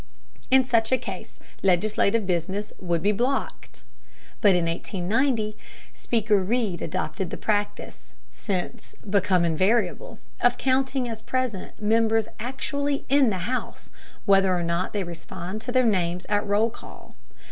In such a case legislative business would be blocked. But in 1890 Speaker Reed adopted the practice, since become invariable, of counting as present members actually in the House, whether or not they respond to their names at roll call.